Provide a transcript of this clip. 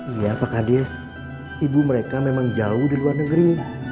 iya pak kades ibu mereka memang jauh di luar negeri